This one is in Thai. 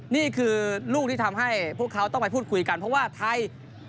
นี่คือลูกที่ทำให้พวกเขาต้องไปพูดคุยกันเพราะว่าไทย